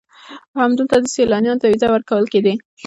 همدلته سیلانیانو ته ویزې ورکول کېدې.